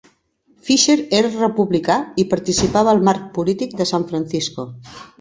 Fisher era republicà i participava al marc polític de San Francisco.